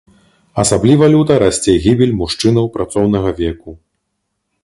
Асабліва люта расце гібель мужчынаў працоўнага веку.